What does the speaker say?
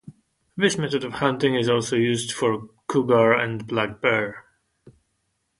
This method of hunting is also used for cougar and black bear.